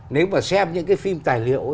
nếu mà xem những cái phim tài liệu